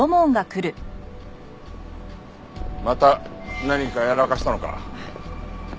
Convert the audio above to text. また何かやらかしたのか？